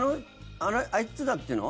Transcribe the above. あいつらっていうの？